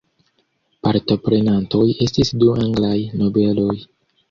Partoprenantoj estis du anglaj nobeloj.